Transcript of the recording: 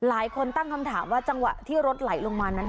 หลายคนตั้งคำถามว่าจังหวะที่รถไหลลงมานั้น